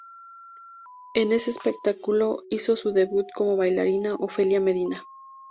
En ese espectáculo hizo su debut como bailarina Ofelia Medina.